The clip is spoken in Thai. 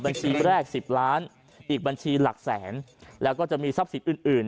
บัญชีแรกสิบล้านอีกบัญชีหลักแสนแล้วก็จะมีทรัพย์สินอื่นอื่น